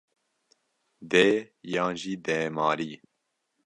Dê yan jî dêmarî?